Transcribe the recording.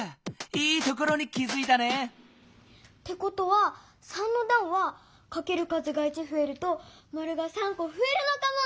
いいところに気づいたね！ってことは３のだんはかける数が１ふえるとマルが３こふえるのかも。